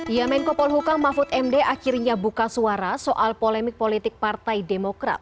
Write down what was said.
ya menko polhukam mahfud md akhirnya buka suara soal polemik politik partai demokrat